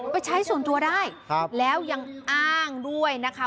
ไปใช้ส่วนตัวได้แล้วยังอ้างด้วยนะคะ